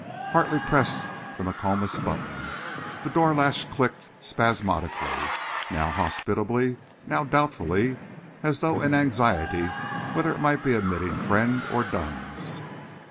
Hartley pressed the "McComus" button. The door latch clicked spasmodically—now hospitably, now doubtfully, as though in anxiety whether it might be admitting friends or duns.